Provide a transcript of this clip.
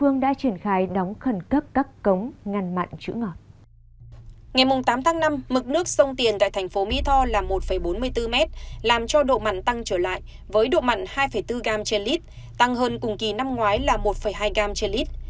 ngày tám tháng năm mực nước sông tiền tại thành phố mỹ tho là một bốn mươi bốn mét làm cho độ mặn tăng trở lại với độ mặn hai bốn gram trên lít tăng hơn cùng kỳ năm ngoái là một hai gram trên lít